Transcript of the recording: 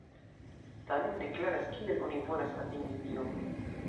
Tamen ne klaras, kiel oni volas atingi tion.